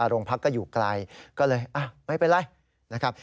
โรงพักก็อยู่ไกลก็เลยไม่เป็นไรนะครับ